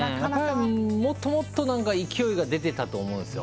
もっともっと勢いが出てたと思うんですよ。